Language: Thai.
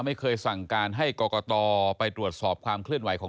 ไม่เคยสั่งการให้กรกตไปตรวจสอบความเคลื่อนไหวของ